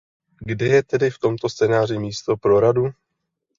Kde je tedy v tomto scénáři místo pro Radu?